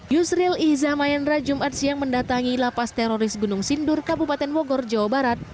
yusril iza mahendra jumat siang mendatangi lapas teroris gunung sindur kabupaten bogor jawa barat